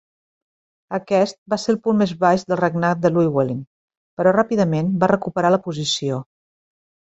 Aquest va ser el punt més baix del regnat de Llywelyn, però ràpidament va recuperar la posició.